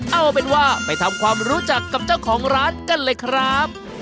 เอาเป็นว่าไปทำความรู้จักกับเจ้าของร้านกันเลยครับ